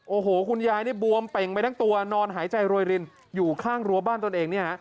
โอ้โหคุณยายนี่บวมเป่งไปทั้งตัวนอนหายใจรวยรินอยู่ข้างรั้วบ้านตนเองเนี่ยฮะ